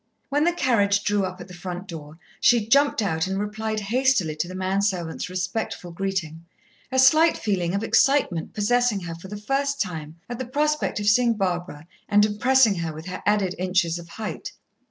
When the carriage drew up at the front door, she jumped out and replied hastily to the man servant's respectful greeting, a slight feeling of excitement possessing her for the first time at the prospect of seeing Barbara, and impressing her with her added inches of height.